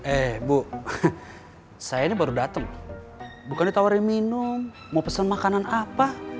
eh bu saya ini baru datang bukan ditawarin minum mau pesen makanan apa